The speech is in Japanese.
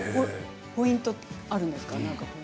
ポイント、あるんですか。